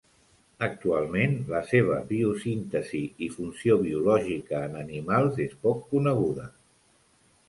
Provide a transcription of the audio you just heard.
Actualment, la seva biosíntesi i funció biològica en animals és poc coneguda.